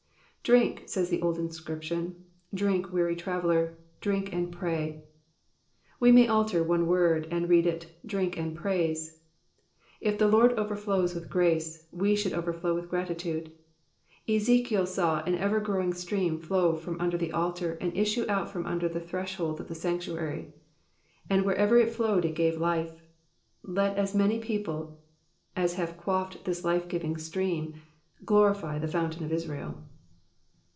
Drink,'' says the old inscription, *' drink, weary traveller ; drink and pray.'' We may alter one word, and read it, drink and praise. If the Lord overflows with grace, we should overflow with gratitude. Ezekiel saw an ever growing stream flow from under the altar, and issue out from under the threshold of the sanctuary, and wherever it flowed it gave life : let as many as have quaffed thU life ffiving stream glorify *• the fountain of Israel."